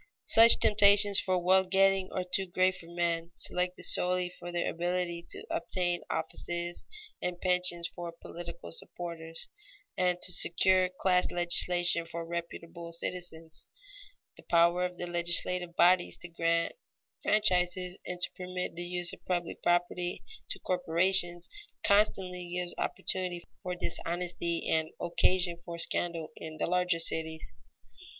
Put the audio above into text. Such temptations for wealth getting are too great for men selected solely for their ability to obtain offices and pensions for political supporters, and to secure class legislation for reputable citizens. The power of the legislative bodies to grant franchises and to permit the use of public property to corporations, constantly gives opportunity for dishonesty and occasion for scandal in the larger cities.